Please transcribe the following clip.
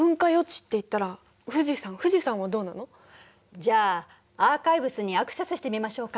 じゃあアーカイブスにアクセスしてみましょうか？